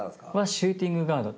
シューティングガード？